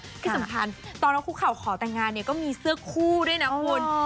ที่สำคัญตอนนั้นคุกเข่าขอแต่งงานเนี่ยก็มีเสื้อคู่ด้วยนะคุณ